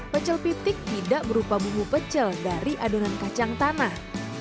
pecel pitik tidak berupa bumbu pecel dari adonan kacang tanah